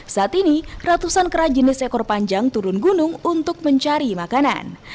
saat ini ratusan kera jenis ekor panjang turun gunung untuk mencari makanan